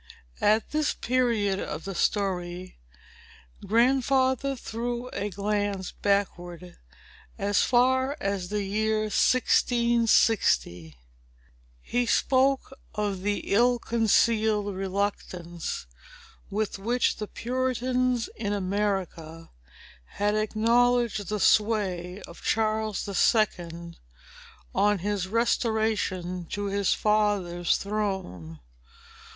At this period of the story, Grandfather threw a glance backward, as far as the year 1660. He spoke of the ill concealed reluctance with which the Puritans in America had acknowledged the sway of Charles the Second, on his restoration to his father's throne.